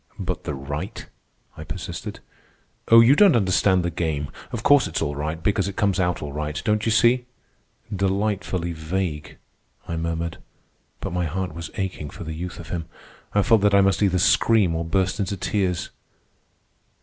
"But the right?" I persisted. "You don't understand the game. Of course it's all right, because it comes out all right, don't you see?" "Delightfully vague," I murmured; but my heart was aching for the youth of him, and I felt that I must either scream or burst into tears.